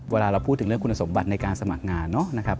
เวลาเราพูดถึงเรื่องคุณสมบัติในการสมัครงานเนาะนะครับ